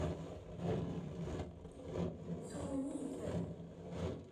Tumen-it.